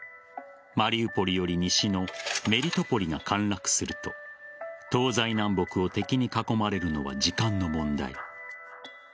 マリウポリより西のメリトポリが陥落すると東西南北を敵に囲まれるのは時間の問題。